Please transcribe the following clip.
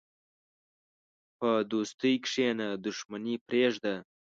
په دوستۍ کښېنه، دښمني پرېږده.